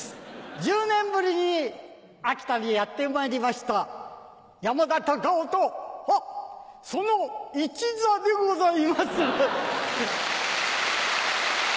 １０年ぶりに秋田にやってまいりました山田隆夫とはっその一座でございまする。